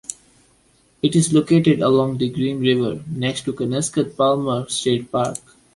It is located along the Green River next to the Kanaskat-Palmer State Park.